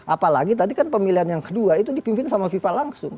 apalagi tadi kan pemilihan yang kedua itu dipimpin sama fifa langsung